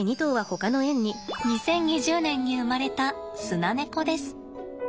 ２０２０年に生まれたスナネコです。